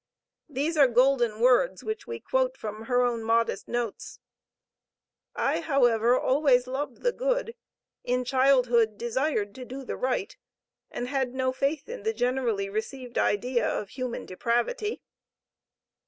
These are golden words which we quote from her own modest notes: "I, however, always loved the good, in childhood desired to do the right, and had no faith in the generally received idea of human depravity."